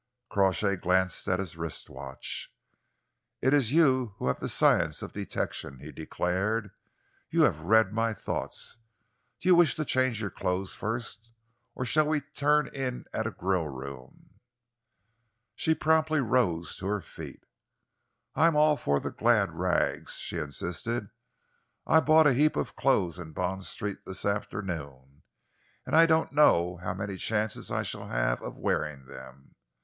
Crawshay glanced at his wrist watch. "It is you who have the science of detection," he declared. "You have read my thoughts. Do you wish to change your clothes first, or shall we turn in at a grill room?" She rose promptly to her feet. "I'm all for the glad rags," she insisted. "I bought a heap of clothes in Bond Street this afternoon, and I don't know how many chances I shall have of wearing them.